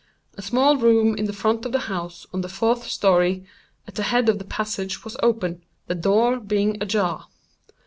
A small room in the front of the house, on the fourth story, at the head of the passage was open, the door being ajar.